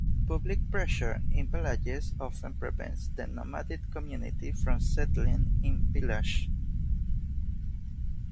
Public pressure in villages often prevents the nomadic community from settling in village.